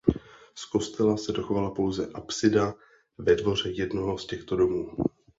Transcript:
Z kostela se dochovala pouze apsida ve dvoře jednoho z těchto domů.